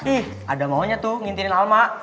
ih ada maunya tuh ngintirin alma